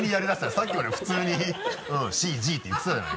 さっきまで普通に「Ｃ」「Ｇ」って言ってたじゃない。